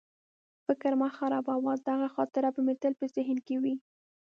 فکر مه خرابوه، دغه خاطره به مې تل په ذهن کې وي.